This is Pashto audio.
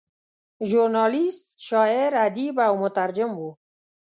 ژورنالیسټ، شاعر، ادیب او مترجم و.